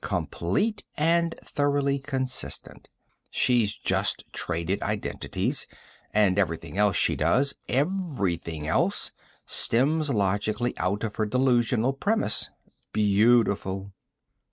"Complete and thoroughly consistent. She's just traded identities and everything else she does everything else stems logically out of her delusional premise. Beautiful."